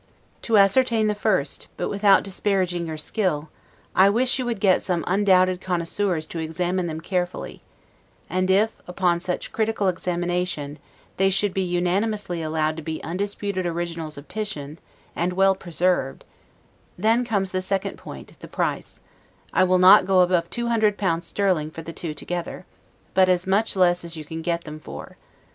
To ascertain the first (but without disparaging your skill), I wish you would get some undoubted connoisseurs to examine them carefully: and if, upon such critical examination, they should be unanimously allowed to be undisputed originals of Titian, and well preserved, then comes the second point, the price: I will not go above two hundred pounds sterling for the two together; but as much less as you can get them for.